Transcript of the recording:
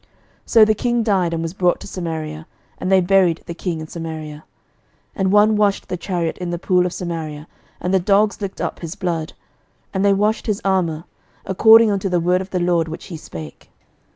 11:022:037 So the king died, and was brought to Samaria; and they buried the king in Samaria. 11:022:038 And one washed the chariot in the pool of Samaria; and the dogs licked up his blood; and they washed his armour; according unto the word of the LORD which he spake.